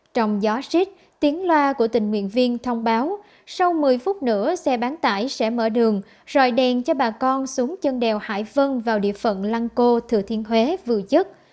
trong gió xích tiếng loa của tình nguyện viên thông báo sau một mươi phút nữa xe bán tải sẽ mở đường rồi đèn cho bà con xuống chân đèo hải vân vào địa phận lăng cô thừa thiên huế vừa chất